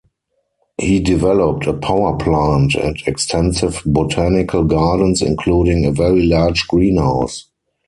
He developed a power plant and extensive botanical gardens including a very large greenhouse.